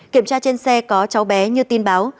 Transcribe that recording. kiểm tra trên xe có cháu bé như tin báo